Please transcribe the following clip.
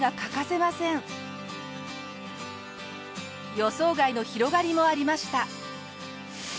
予想外の広がりもありました。